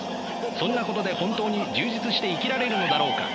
そんなことで本当に充実して生きられるのだろうか。